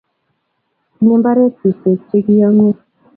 Tinyei mbaret suswek che kiyomyo